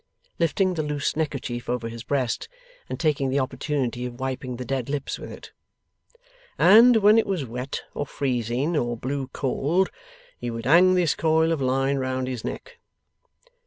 lifting the loose neckerchief over his breast, and taking the opportunity of wiping the dead lips with it 'and when it was wet, or freezing, or blew cold, he would hang this coil of line round his neck.